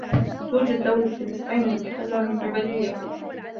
توجد دولة فلسطين المحتلة من قبل اليهود